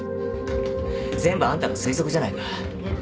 全部あんたの推測じゃないか。